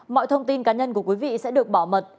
mọi thông tin cá nhân của quý vị sẽ được bảo mật